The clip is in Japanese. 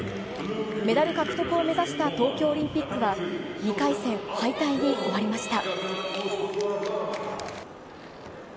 メダル獲得を目指した東京オリンピックは、２回戦敗退に終わりました。